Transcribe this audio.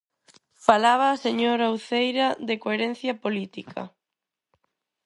Falaba a señora Uceira de coherencia política.